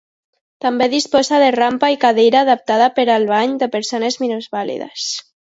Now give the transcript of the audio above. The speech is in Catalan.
També disposa de rampa i cadira adaptada per al bany de persones minusvàlides.